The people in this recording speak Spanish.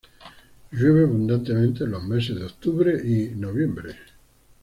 Llueve abundantemente en los meses de octubre y noviembre.